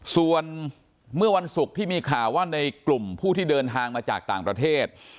ส่วนเมื่อวันศุกร์ที่มีข่าวว่าในกลุ่มผู้ที่เดินทางมาจากต่างประเทศ